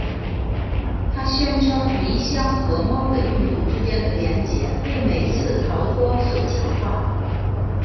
他宣称迷箱和猫的运动之间的联结被每次逃脱所强化。